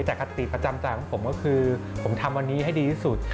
แต่คติประจำใจของผมก็คือผมทำวันนี้ให้ดีที่สุด